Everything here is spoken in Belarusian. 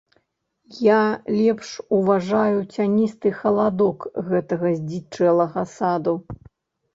Я лепш уважаю цяністы халадок гэтага здзічэлага саду.